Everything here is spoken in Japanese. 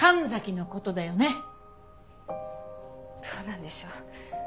どうなんでしょう。